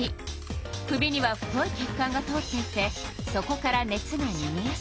首には太い血管が通っていてそこから熱がにげやすいの。